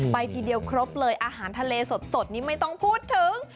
ทีเดียวครบเลยอาหารทะเลสดนี่ไม่ต้องพูดถึง